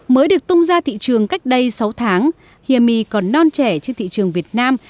mới được tung ra thị trường cách đây sáu tháng hiểm còn non trẻ trên thị trường việt nam